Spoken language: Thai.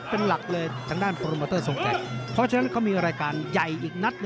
เพราะฉะนั้นเขามีรายการใหญ่อีกนัก